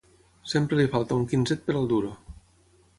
Sempre li falta un quinzet per al duro.